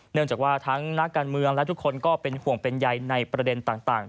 เนื่องจากว่าทั้งนักการเมืองและทุกคนก็เป็นห่วงเป็นใยในประเด็นต่าง